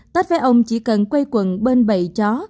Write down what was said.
tết với ông chỉ cần quây quần bên bày chó